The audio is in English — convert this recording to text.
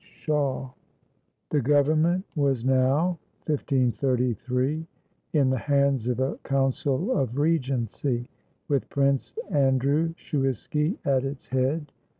SHAW The government was now in the hands of a coun cil of regency, with Prince Andrew Shuiski at its head.